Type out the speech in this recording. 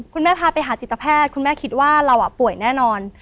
พาไปหาจิตแพทย์คุณแม่คิดว่าเราป่วยแน่นอน